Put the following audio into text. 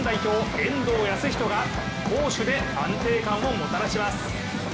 遠藤保仁が攻守で安定感をもたらします。